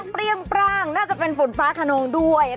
เปรี้ยงปร่างน่าจะเป็นฝนฟ้าขนองด้วย